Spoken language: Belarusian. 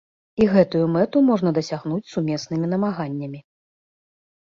І гэтую мэту можна дасягнуць сумеснымі намаганнямі.